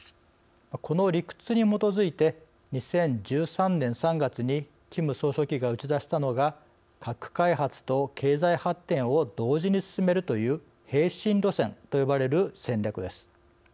この理屈に基づいて２０１３年３月にキム総書記が打ち出したのが核開発と経済発展を同時に進めるという並進路線と呼ばれる戦略です。